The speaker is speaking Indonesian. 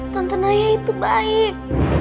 tante naya itu baik